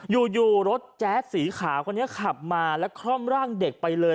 อยู่รถแจ๊สสีขาวคนนี้ขับมาแล้วคล่อมร่างเด็กไปเลย